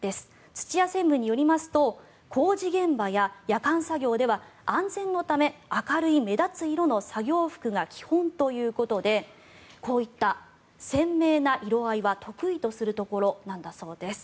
土屋専務によりますと工事現場や夜間作業では安全のため明るい目立つ色の作業服が基本ということでこういった鮮明な色合いは得意とするところなんだそうです。